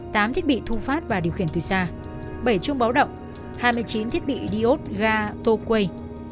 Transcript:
tám thiết bị thu phát và điều khiển từ xa bảy chuông báo động hai mươi chín thiết bị dios ga tô quây